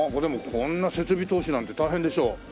でもこんな設備投資なんて大変でしょう？